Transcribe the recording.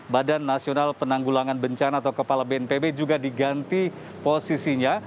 badan nasional penanggulangan bencana atau kepala bnpb juga diganti posisinya